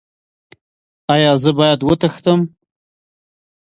ایا زه باید وتښتم؟